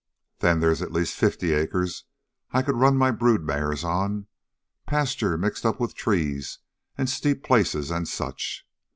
Then they's at least fifty acres I could run my brood mares on, pasture mixed up with trees and steep places and such.